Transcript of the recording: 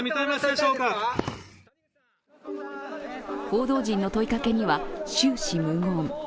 報道陣の問いかけには終始無言。